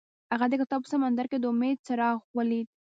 هغه د کتاب په سمندر کې د امید څراغ ولید.